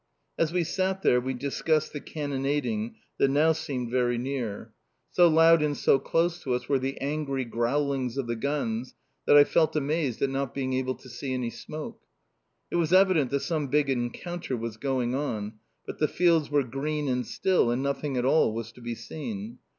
As we sat there we discussed the cannonading that now seemed very near. So loud and so close to us were the angry growlings of the guns that I felt amazed at not being able to see any smoke. It was evident that some big encounter was going on, but the fields were green and still, and nothing at all was to be seen.